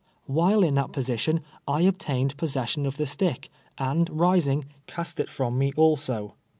AVhile in that position I obtained possession of the stick, and rising, cast it from me, also.